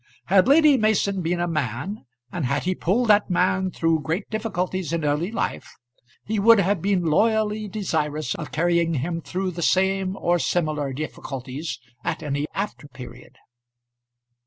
Had Lady Mason been a man, and had he pulled that man through great difficulties in early life, he would have been loyally desirous of carrying him through the same or similar difficulties at any after period.